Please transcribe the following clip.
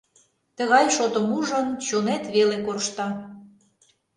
Тыгай шотым ужын, чонет веле коршта.